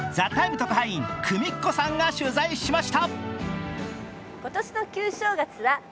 特派員くみっこさんが取材しました。